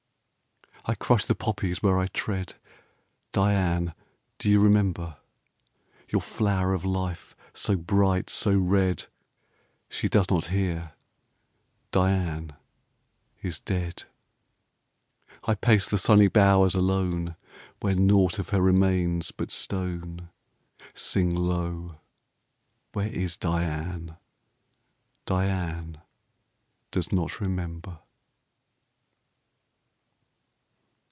I crush the poppies where I tread Diane! do you remember? Your flower of life so bright, so red She does not hear Diane is dead. I pace the sunny bowers alone Where nought of her remains but stone. Sing low where is Diane? Diane does not remember.